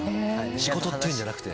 仕事っていうんじゃなくて。